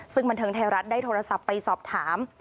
ซึ่งบันเทิงไทยรัฐได้โทรศัพท์ไปสอบถาม